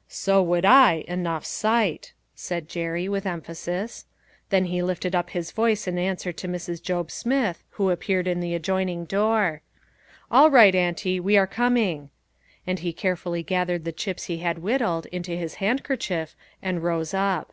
" So would I, enough sight," said Jerry with emphasis. Then he lifted up his voice in an swer to Mrs. Job Smith who appeared in the ad joining door. "All right, auntie, we are com ing." And he carefully gathered the chips he had whittled, into his handkerchief, and rose up.